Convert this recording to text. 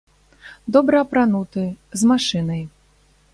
Добра апрануты, з машынай.